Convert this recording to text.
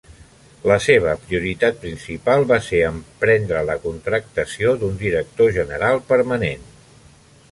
La seva prioritat principal va ser emprendre la contractació d'un director general permanent.